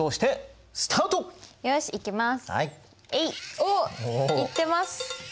おっ行ってます。